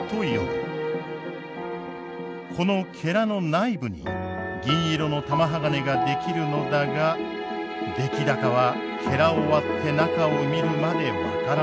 このの内部に銀色の玉鋼が出来るのだが出来高はを割って中を見るまで分からない。